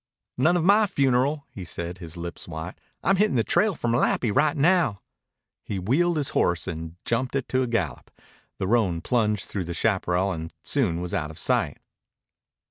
"None of my funeral," he said, his lips white. "I'm hittin' the trail for Malapi right now." He wheeled his horse and jumped it to a gallop. The roan plunged through the chaparral and soon was out of sight.